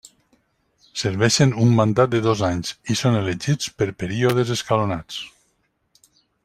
Serveixen un mandat de dos anys i són elegits per períodes escalonats.